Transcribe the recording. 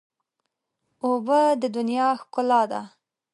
اوبه د دنیا ښکلا ده.